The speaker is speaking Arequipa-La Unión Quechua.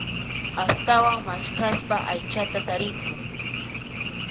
Astawan maskhaspa aychata tarinku.